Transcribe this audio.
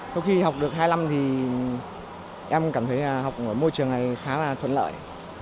sau khi học được hai năm thì em cảm thấy học ở môi trường này khá là thuận lợi